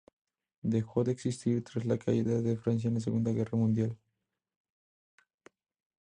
Dejó de existir tras la caída de Francia en la Segunda Guerra Mundial.